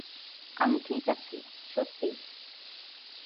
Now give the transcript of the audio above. আমি ঠিক আছি, সত্যিই।